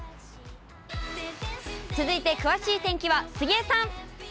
続いて、詳しい天気は杉江さん。